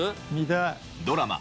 ドラマ